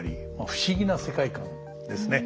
不思議な世界観ですね。